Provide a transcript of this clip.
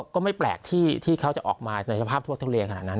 ก็ไม่แปลกที่เขาจะออกมาในสภาพทั่วทุเลขนาดนั้น